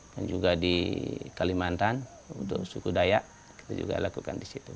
dan juga di kalimantan untuk suku dayak kita juga lakukan di situ